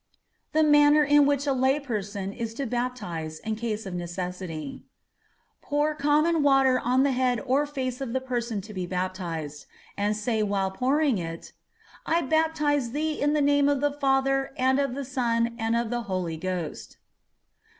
THE MANNER IN WHICH A LAY PERSON IS TO BAPTIZE IN CASE OF NECESSITY Pour common water on the head or face of the person to be baptized, and say while pouring it: "I baptize thee in the name of the Father, and of the Son, and of the Holy Ghost."